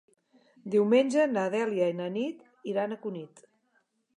Diumenge na Dèlia i na Nit iran a Cunit.